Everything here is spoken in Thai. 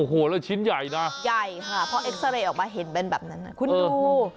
ใหญ่นะค่ะเพราะเอ็กซ์เรย์ออกมาเห็นแบบนั้นคุณดู